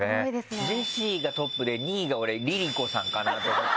ジェシーがトップで２位が俺ＬｉＬｉＣｏさんかなと。